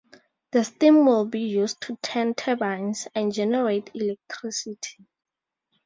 The steam will be used to turn turbines and generate electricity.